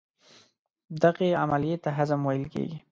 دغې عملیې ته هضم ویل کېږي.